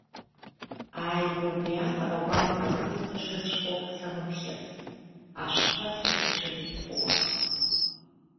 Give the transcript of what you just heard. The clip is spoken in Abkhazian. Ааигәа убри аҟара гәахәара сызҭашаз шәҟәык самыԥхьацт ашәҟәқәа срыԥхьошәагьы сыҟоуп аха.